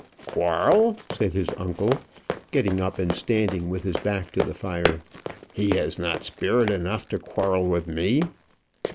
"Quarrel!" said his uncle, getting up and standing with his back to the fire. "He has not spirit enough to quarrel with me."